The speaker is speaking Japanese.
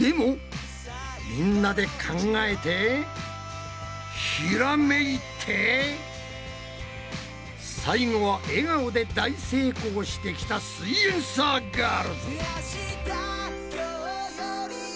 でもみんなで考えてひらめいて最後は笑顔で大成功してきたすイエんサーガールズ！